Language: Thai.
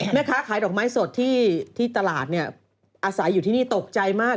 แม่ค้าขายดอกไม้สดที่ตลาดเนี่ยอาศัยอยู่ที่นี่ตกใจมาก